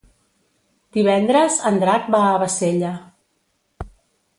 Divendres en Drac va a Bassella.